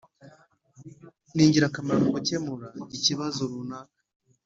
ni ingira kamaro mu gukemura ikibazo runaka.